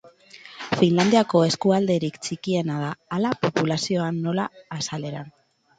Finlandiako Eskualderik txikiena da, hala populazioan nola azaleran.